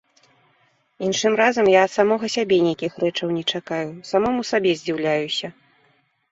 Іншым разам я ад самога сябе нейкіх рэчаў не чакаю, самому сабе здзіўляюся.